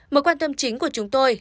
một quan tâm chính của chúng tôi